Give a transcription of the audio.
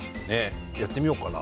やってみようかな。